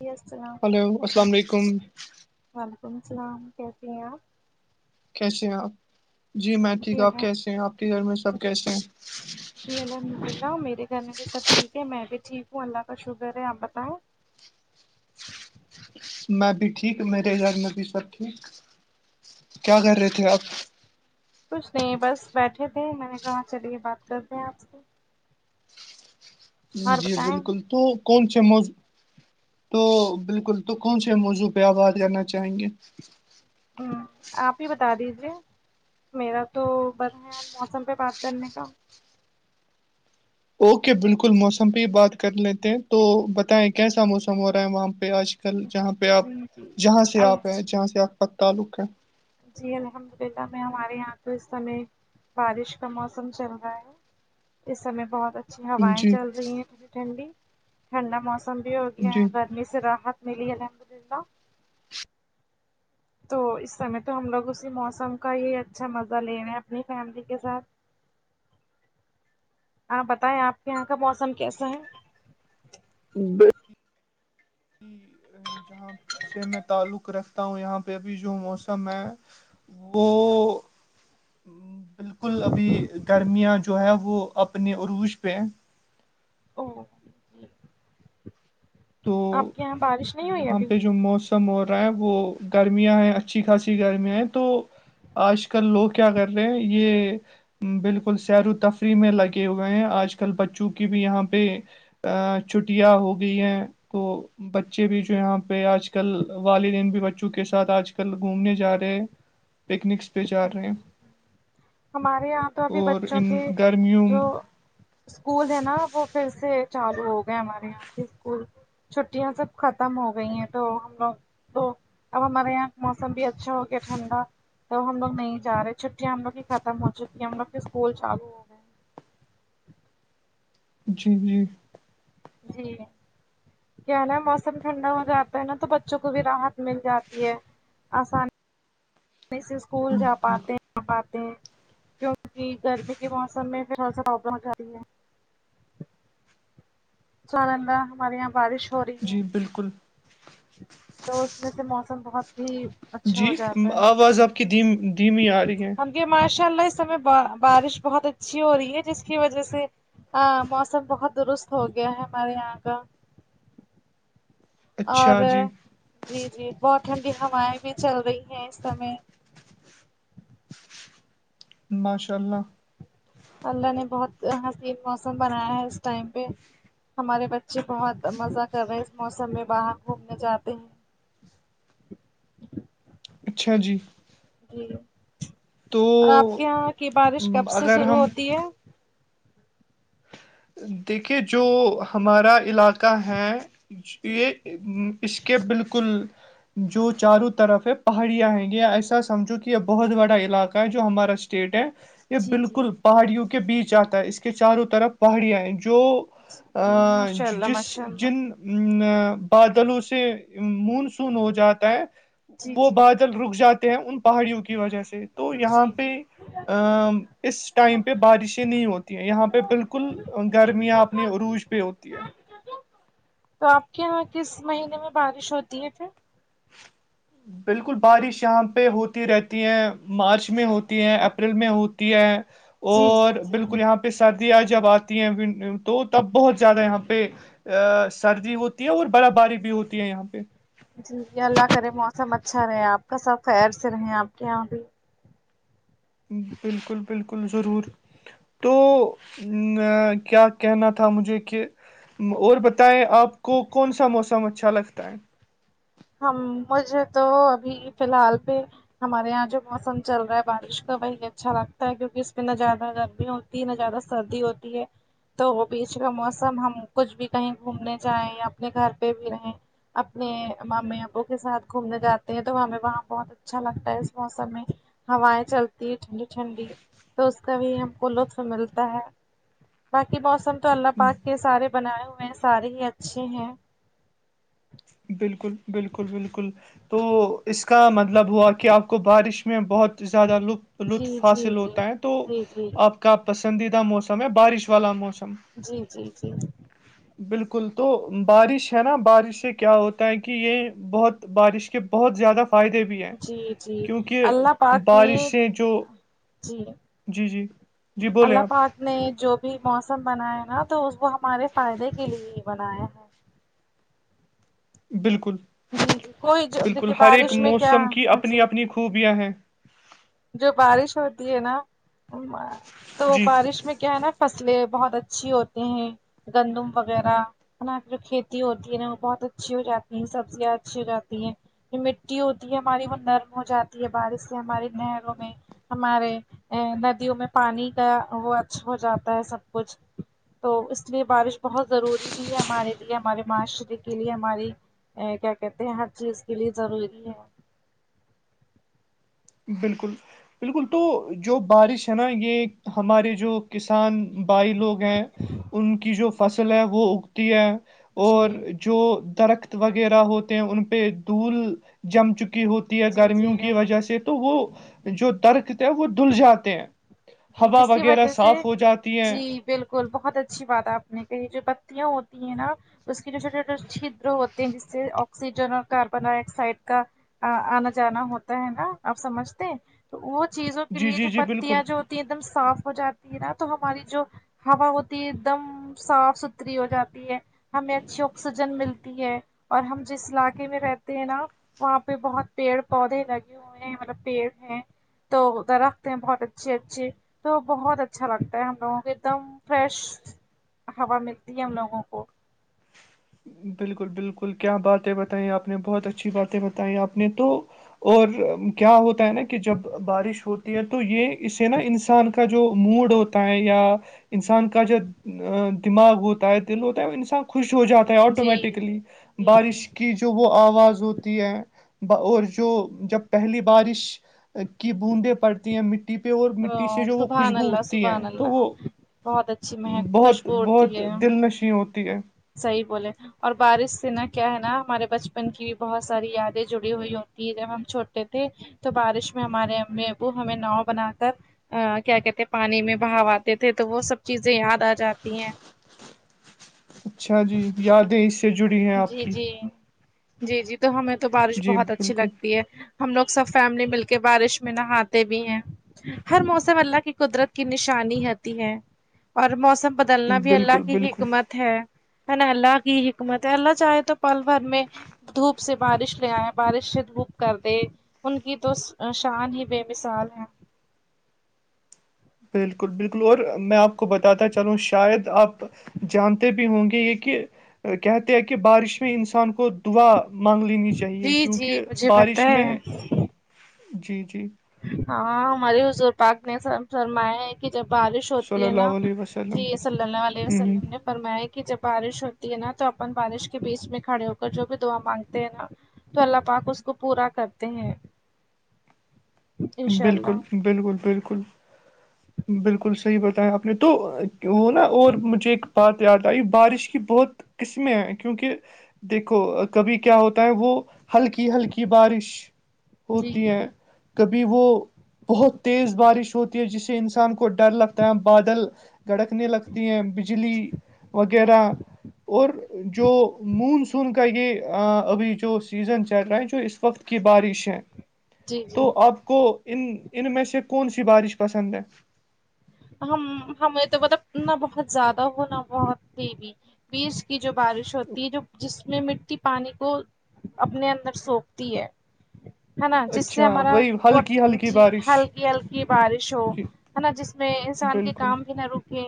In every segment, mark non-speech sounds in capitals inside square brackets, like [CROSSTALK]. جی السلام ہلو السلام علیکم وعلیکم السلام کیسیے ہیں آپ کیسے ہیں آپ جی میں ٹھیک آپ کیسے ہیں آپ کے گھر میں سب کیسے ہیں جی الحمد للہ میرے گھر میں بھی سب ٹھیک ہے میں بھی ٹھیک ہوں اللہ کا شکر ہے آپ بتائیں میں بھی ٹھیک میرے گھر میں بھی سب ٹھیک کیا کر رہے تھے آپ کچھ نہیں بس بیٹھے تھے میں نے کہا چلیے بات کر رہے ہیں آپ سے اور جی بتائیں بالکل تو کون سے موض تو بالکل تو کون سے موضوع پہ آواد کرنا چاہیں گے ہوں آپ ہی بتا دیجیے میرا تو بند ہے موسم پہ بات کرنے کا اوکے بالکل موسم پہ ہی بات کر لیتے ہیں تو بتائیں کیسا موسم ہو رہا ہے وہاں پہ آج کل جہاں پہ آپ جی جی جہاں سے ال آپ ہیں جہاں سے آپ کا تعلق ہے جی الحمد للہ میں ہمارے یہاں تو اس سمے بارش کا موسم چل رہا ہے اس سمے بہت اچھا اچ ہوائیں جی چل رہی ہیں ٹھنڈی ٹھنڈی ٹھنڈا موسم بھی ہو گیا جی ہے گرمی سے راحت ملید [UNINTELLIGIBLE] تو اس سمے تو ہم لوگ اسی موسم کا ہی اچھا مزہ لے رہے ہیں اپنی فیملی کے ساتھ آپ بتائیں آپ کے یہاں کا موسم کیسا ہے جہاں سے میں تعلق رکھتا ہوں یہاں پہبھی جو موسم ہے وہ [UNINTELLIGIBLE] بالکل ابھی گرمیاں جو ہے وہ اپنے عروج پہ او تو آپ کے یہاں بارش نہیں ہوئی یہاں ابھی پہ جو موسم م ہو رہا ہے وہ گرمیاں ہیں اچھی خاصی گرمیاں ہیں تو آج کل لوگ کیا کر رہے ہیں یہ بالکل سیر و تفریح میں لگے ہوئے ہیں آج کل بچوں کی بھی یہاں پہ ا چھٹیاں ہو گئی ہیں تو بچے بھی جو یہاں پہ آج کل والدین بھی بچوں کے ساتھ آج کل کل گھومنے جا رہے ہیں پکنکس پہ جا رہے ہمارے یہاں تو ابھی اور بچوں ان کے گرمیوں جو اسکول ہے نا وہ پھر سے چالو ہو گئے ہمارے یہاں کے اسکول چھٹیاں سب ختم ہو گئی ہیں تو ہم لوگ تو اب ہمارے یہاں موسم بھی اچھا ہو گیا ٹھنڈا توب ہم لوگ نہیں جا رہے چھٹٹیں ہم لوگ کی ختم ہو چکی ہے ہم لوگ کے اسکول چالو ہو گئے جی جی جی کیا نا موسم ٹھنڈا ہو جاتا ہے نا تو بچوں کو بھی راحت مل جاتی ہے آسانی آسانی سے اسکول جا بالکل پاتے ہیں پاتے ہیں کیونکہ گرمی کے موسم میں پھر سا رابر ہو جاتی ہے سالندہ ہمارے یہاں بارش ہو رہی ہے جی بالکل تو اس میں سے موسم بہت ہی اچھا جی ہو جاتا ہے آواز آپ کی دم دھیم ہی آ رہی ہے ہم ماشاء اللہ اس سمے بارش بہت اچھی ہو رہی ہے جس کی وجہ سے ہاں موسم بہت درست ہو گیا ہے ہمارے یہاں کا اور اچھا جی جی جی بہت ٹھنڈی ہوائیں بھی چل رہی ہیں اس سمے ماشاء اللہ اللہ نے بہت حسین موسم بنایا ہے اس ٹائم پہ ہمارے بچے بہت مزہ کر رہے ہیں اس موسم میں باہر گھومنے جاتے ہیں اچھا جی جی تو اور آپ کے یہاں کی بارش کب سے اگر شروع ہم ہوتی ہے دیکھیے جو ہمارا علاقہ ہے جی یہ اس کے بالکل جو چاروں طرف ہے پہاڑیاں ہیں گ ایسا سمجھو کہ یہ بہت بڑا علاقہ ہے جو ہمارا اسٹیٹ ہے یہ جی جی بالکل پہاڑیوں کے بیچ آتا ہے اس کے چاروں طرف پہاڑیاں ہیں جو جی ا ماشاء اللہ جس ماشاء اللہ جن ا بادلوں سے مونسون ہو جاتا ہے جی وہ جی بادل رک جاتے ہیں ان پہاڑیوں کی وجہ سے تو یہاں جی جی پہ ا اس ٹائم پہ بارشیں نہیں ہوتی ہیں یہاں پہ بالکل ل گرمیاں اپنی عروج پہ ہوتی ہے تو آپ کے یہاں کس مہینے میں بارش ہوتی ہے پھر [UNINTELLIGIBLE] بالکل بارش یہاں پہ ہوتی رہتی ہے مارچ میں ہوتی ہے اپریل میں ہوتی ہے جی جی اور جی بالکل یہاں پہ سردیاں جب آتی ہیں تو تب بہت زیادہ یہاں پہ ا سردی ہوتی ہے اور برا بارش بھی ہوتی ہے یہاں پہ جی جی اللہ کرے موسم اچھا رہے آپ کا سب خیر سے رہے آپ کے یہاں بھی بالکل بالکل ضرور تو ا کیا کہنا تھا مجھے کہ اور بتائیں آپ کو کون سا موسم اچھا لگتا ہے ہم مجھے تو ابھی فی الحال پ ہمارے یہاں جو موسم چل رہا ہے بارش کا وہی اچھا لگتا ہے کیوںک اس میںہ نہ زیادہ گرمی ہو ا ن زیادہ سردی ہوتی ہے تو بیچ کا موسم ہم کچھ بھی کہیں گھومنے جائیں یا اپنے گھر پہ بھی رہیں اپنے امی ابو کے ساتھ گھومنے جاتے ہیں تو ہمیں وہاں بہت اچھا لگتا ہے اس موسم میں ہوائیں چلتی ہے ٹھنڈی ٹھنڈی تو اس کا بھی ہم کو لطف ملتا ہے باقی موسم تو اللہ پاک کے سارے بنائے ہوئے ہیں سارے ہی اچھے ہیں بالکل بالکل بالکل تو اس کا مطلب ہوا کہ آپ کو بارش میں بہت زیادہ لط جی لطف جی حاصل جی ہوتا ہے تو جی جی آپ کا پسندیدہ موسم ہے بارش والا موسم جی جی جی بالکل تو بارش ہے نا بارش سے کیا ہوتا ہے کہ یہ بہت بارش کے بہت زیادہ فائدے بھی بھی ہیں جی جی کیونکہ اللہ پاک نے بارش سے جو جی جی جی جی بولے اللہ آپ پاک نے جو بھی موسم بنایا نا تو اس ہمارے فائدے کے لیے ہی بنایا ہے بالکل جی جی کوئی بالکل دیکھیے ہر ایک بارش میں کیا موسم کی اپنی جی اپنی جی خوبیاں ہیں جو بارش ہوتی ہے نا تو جی بارش میں کیا ہے نا فصلیں بہت اچھی ہوتی ہیں گندم وغیرہ کی جو کھیتی ہوتی ہے نا وہ بہت اچھی ہو جاتی ہے سب اچھی جاتی ہیں یہ مٹی ہوتی ہے ہماری وہ نرم ہو جاتی ہے بارش سے ہماری نہروں میں ہمارے ا ندیوں میں پانی کا وہ اچھا ہو جاتا ہے سب کچھ تو اس لیے بارش بہت ضروری بھی ہے ہمارے لیے ہمارے معاشرے کے لیے ہماری کیا کہتے ہیں ہر چیز کے لیے ضروری ہے بالکل بالکل تو جو بارش ہے نا یہ ہمارے جو کسان بھائی لوگ ہیں ان کی جو فصل ہے وہ اگتی ہے جی اور جو درخت وغیرہ ہوتے ہیں ان پہ دھول جم چکی ہوتی ہے جی گرمیوں جی کی وجہ سے تو وہ جو درک ہے وہ دھل جاتے ہیں جی ہوا جس وغیرہ صاف ہو جاتی ہے ول بہت اچھی بات ہے اپنے کہ یہ جو بتیاں ہوتی ہیں نا اس کے جو چھوٹے چھوے چدر ہوتے ہیں جس سے آکسیجن اور کاربن ڈائی آکسائڈ کا آنا جانا ہوتا ہے نا آپ سمجھتے تو وہ چیزوں کے جی لیے جی جو جی بالکل پتیاں جو ایک دم صاف ہو جاتی ہے نا تو ہماری جو ہوا ہوتی ہے ایک دم صاف ستھری ہو جاتی ہے ہمیں اچھی آکسیجن ملتی ہے اور ہم جس علاقے میں رہتے ہیں نا وہاں پہ بہت پیڑ پودے لگے ہوئے ہیں مطلب پیڑ ہیں تو اد رکھتے ہیں بہت اچھے ا جی تو بہت اچھا لگتا ہے ہم لوگوں کو ایک دم فریش ہوا ملتی ہے ہم لوگوں کو بالکل بالکل کیا باتیں بتائییں آپ نے بہت اچھی باتیں بتائیں آپ نے تو اور کیا ہوتا ہے نا کہ جب بارش ہوتی ہے تو یہ اس سے نا انسان کا جو موڈ ہوتا ہے یا انسان کا جو دماغ ہوتا ہے دل ہوتا ہے وہ انسان خوش ہو جاتا ہے ٹ جی جی جی جی بارش کی جو وہ آواز ہوتی ہے اور جو جب پہلی بارش کی بوندیں پڑتی ہیں مٹی پہ اور مٹی سے جو وہ سبحان خوشبو اللہ اٹھتی ہے سبحان تو اللہ وہ بہت اچھی مہک بہت خوشبو ہوتی بہت ہے دل نشیں ہوتی ہے صحیح بولے اور بارش سے نا کیا ہے نا ہمارے بچپن کی بھی بہت ساری یادیں جڑی ہوئی ہوتی ہیں جب ہم چھوٹے تھے تو بارش میں ہمارے ا ابو ہمیں ناؤ بنات ا کیا کہتے ہیں پانی میں بہاو آتے تھے تو وہ سب چیزیں یاد آ جاتی ہیں اچھا جی یادیں اس سے جڑی ہیں آپ جی کی جی جی جی تو ہمیں تو بارش جی بہت اچھی بالکل لگتی ہے ہم لوگ سب فیملی مل کے بارش میں نہاتے بھی ہیں ہر موسم اللہ کی قدرت کی نشانی ہوتی ہے اور موسم بدلنا بھی بالکل اللہ کی بالکل حکمت ہے نا اللہ کی حکمت ہے اللہ چاہے تو پلور میں دھوپ سے بارش لے آئے بارش سے دھوپ کر دے ان کی تو شان ہی بے مثال ہے بالکل بالکل اور میں آپ کو بتاتا چلوں شاید آپ جانتے بھی ہوں گے یہ کہ کہتے ہیں کہ بارش میں انسان کو دعا مانگ لینی چاہیے جی جی کیونکہ مجھے پتہ بارش ہے میں جی جی ہاں ہمارے حضور پاک نےرم فرماائے کہ جب بارش ہوتی صلی ہے نا اللہ علیہ وسلم جی صلی اللہ علیہ ہ وسلم نے فرم ہے کہ جب بارش ہوتی ہے نا تو اپن بارش کے بیچ میں کھڑے ہو کر جو بھی دعا مانگتے ہیں نا تو اللہ پاک اس کو پورا کرتے ہیں بالکل بالکل بالکل ج بالکل صحیح بتیا آپ نے تو وہ نا اور مجھے ایک بات یاد آئی بارش کی بہت قسمیں کیونکہ دیکھو کبھی کیا ہوتا ہے وہ ہلکی ہلکی بارش جی ہوتی ہے کبھی وہ بہت تیز بارش ہوتی ہے جس سے انسان کو ڈر لگتا ہے بادل گڑکنے لگتی ہیں بجلی وغیرہ اور جو مونسون کا یہ ابھی جو سیزن چل رہا ہے جو اس وقت کی بارش ہیں جی جی تو آپ کو ان ان میں سے کون سی بارش پسند ہے ہم ہمیں تو پب نہ بہت زیادہ ہونا بہت ت بھی بیش کی جو بارش ہوتی ہے جو جس میں مٹی پانی کو اپنے اندر سوپتی ہے ہے نا جس سے اچھا ہمارا وہی ہلکی ہلکی جی بارش ہلکی ہلکی بارش ہو جی ہے نا جس اس میں انسان کے بالکل کام بھی نہ رکے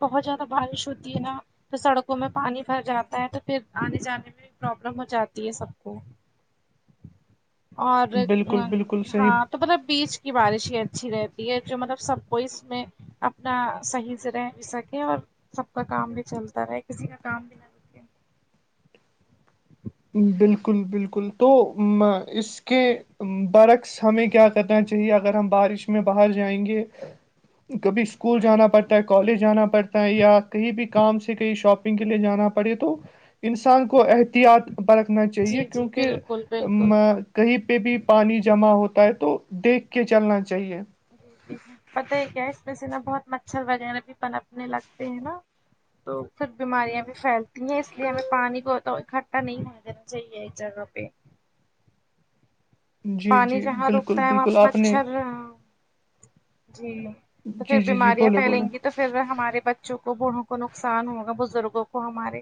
بہت زیادہ بارش ہوتی ہے نا تو سڑکوں میں پانی بھر جاتا ہے تو پھر آنے جانے میں پرابلم ہو جاتی ہے سب کو اور بالکل بالکل صحیح ہاں تو مطلب بیچ کی بارش ہی اچھی رہتی ہے جو مطلب سب وہس میں اپنا صحیح سے رہ بھی سکے اور سب کا کام بھی چلتا رہے کسی کا کام بھی نہ رکے بالکل بالکل تو میں اس اس کے برعکس ہمیں کیا کرنا چاہیے اگر ہم بارش میں باہر جائیں گے کبھی اسکول جانا پڑتا ہے کالج جانا پڑتا ہے یا کہیں بھی کام سے کہیں شاپ کے لیے جانا پڑے تو انسان کو احتیاط پررکھنا چاہیے جی جی کیونکہ بالکل بالکل کہیں پہ بھی پانی جمع ہوتا ہے تو دیکھ کے چلنا چاہیے جی پتہ ہے کیا ہے اس میں سے نا بہت مچھر وغیرہ بھی پنپنے لگتے ہیں نا تو پھر بیماریاں بھی پھیلتی تی اس لیے ہمیں پانی کو تو اکٹھا نہیں ہو دینا چاہیے اس جگہ پہ جی پانی جی جہاں بالکل روکتا ہے وہاں بالکل آپ نے مچھر جی تو پھر جی جی جی بیماریاں بولے پھیلیں بولے گی تو پھر ہمارے بچوں کو بوڑھوں کو نقصان ہوگا بزرگوں کو ہمارے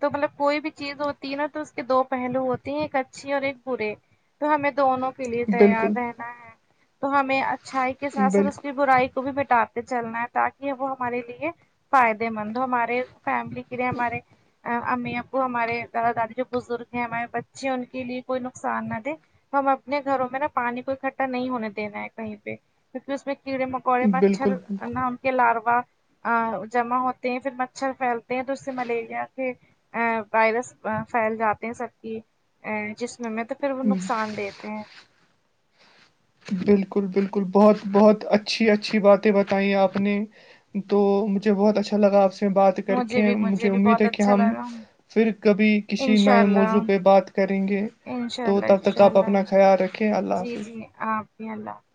تو مطلب کوئی بھی چیز ہوتی ہے نا تو اس کے دو پہلو ہوتے ہیں ایک اچھی اور ایک برے تو ہمیں دونوں کے لیے تیار بالکل رہنا ہے تو ہمیں اچھائی کے ساتھ ساتھ اس کی بالکل برائی کو بھی مٹاتا چلنا ہے تاکہ وہ ہمارے لیے فائدے مند ہو ہمارے فیملی کے لیے ہمارے امی ابو ہمارے دادا دادی جو بزرگ ہیں ہمارے بچے ہیں ان کے لیے کوئی نقصان نہ دے ہم اپنے گھروں میں نا پانی کو اکٹھا نہیں ہونے دینا ہے کہیں پہ کیونکہ اس میں کیڑے مک کے بالکل مچھر نا ان کے لاروا جمع ہوتے ہیں پھر مچھر پھیلتے ہیں تو اس سے ملیریا کے وائرس پھیل جاتے ہیں سب کی جسم میں تو ہی دتے ہیں بالکل بالکل بہت بہت اچھی اچھی باتیں بتائیں آپ نے تو مجھے بہت اچھا لگا آپ سے بات کر کے بھی مجھے بھی امید بہت ہے کہ اچھا ہم لگا پھر کبھی کسی انشاء نئے اللہ موضوع پہ بات کر کریں گے انشاء تو اللہ تب تک انشاء آپ اللہ اپنا خیال رکھیں اللہ جی حافظ جی اپ بھی اللہ حافظ